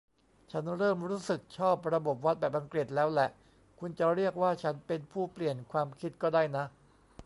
ฉันเริ่มรู้สึกชอบระบบวัดแบบอังกฤษแล้วแหละ คุณจะเรียกว่าฉันเป็นผู้เปลี่ยนความคิดก็ได้นะ